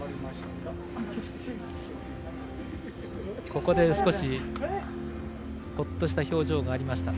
ここで少しほっとした表情がありました。